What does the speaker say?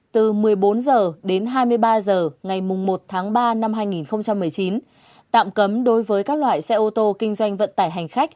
từ một mươi bốn h đến hai mươi ba h ngày một tháng ba năm hai nghìn một mươi chín tạm cấm đối với các loại xe ô tô kinh doanh vận tải hành khách